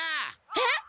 えっ！？